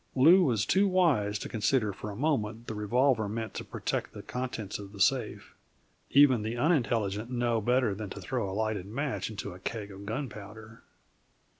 Lew was too wise to consider for a moment the revolver meant to protect the contents of the safe. Even the unintelligent know better than to throw a lighted match into a keg of gunpowder.